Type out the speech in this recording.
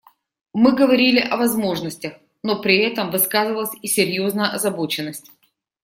Мы говорили о возможностях, но при этом высказывалась и серьезная озабоченность.